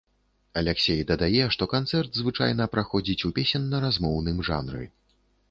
Аляксей дадае, што канцэрт звычайна праходзіць у песенна-размоўным жанры.